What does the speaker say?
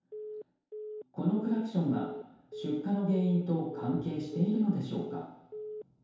このクラクションが出火の原因と関係しているのでしょうか。